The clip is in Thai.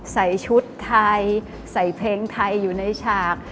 ใส่ชุดไทยใส่เพลงไทยอยู่ในฉาก